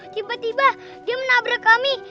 tiba tiba dia menabrak kami